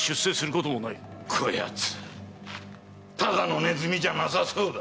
こ奴ただのネズミじゃなさそうだ。